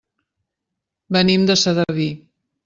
Venim de Sedaví.